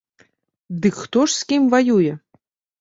Дык хто ж з кім ваюе?